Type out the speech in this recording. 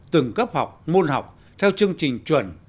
từng cấp học môn học theo chương trình chuẩn